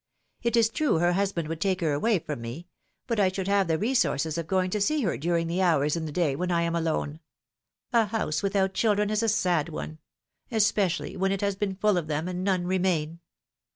is true her husband would take her away from me; but I should have the resource of going to see her during the hours in the day when I am alone. A house without children is a sad one — especially when it has been full of them and none remain.